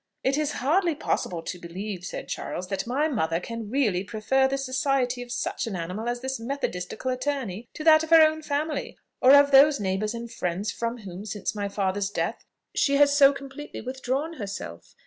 "It is hardly possible to believe," said Charles, "that my mother can really prefer the society of such an animal as this methodistical attorney to that of her own family, or of those neighbours and friends from whom, since my father's death, she has so completely withdrawn herself.